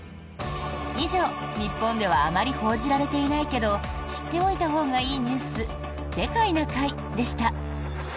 以上、日本ではあまり報じられていないけど知っておいたほうがいいニュース「世界な会」でした。